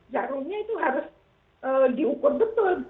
jarumnya itu harus diukur betul